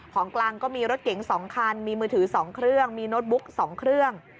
ของกลางก็มีรถเก๋ง๒คันมีมือถือ๒เครื่องมีโน้ตบุ๊ก๒เครื่อง